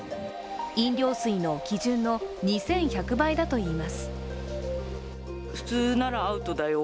飲料水の基準の２１００倍だといいます。